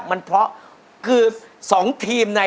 ยิ่งรักเธอต่อยิ่งเสียใจ